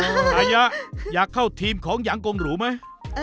ผ่านมาก็เป็นแบบเนี้ยผมชินซะแล้วอยากเข้าทีมของยังโกงหรูไหม